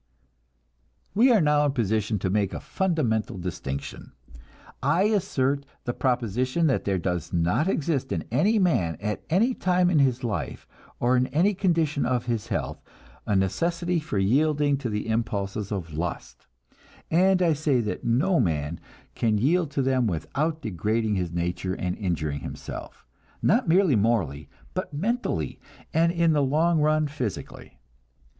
We are now in position to make a fundamental distinction. I assert the proposition that there does not exist, in any man, at any time of his life, or in any condition of his health, a necessity for yielding to the impulses of lust; and I say that no man can yield to them without degrading his nature and injuring himself, not merely morally, but mentally, and in the long run physically.